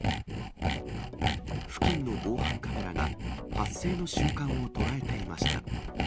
付近の防犯カメラが、発生の瞬間を捉えていました。